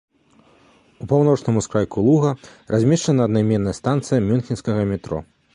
У паўночным ускрайку луга размешчана аднайменная станцыя мюнхенскага метро.